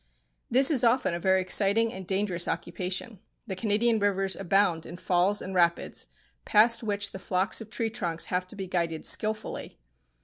This is often a very exciting and dangerous occupation. The Canadian rivers abound in falls and rapids, past which the flocks of tree trunks have to be guided skilfully.